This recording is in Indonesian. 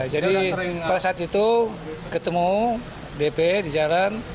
pada saat itu ketemu dp di jalan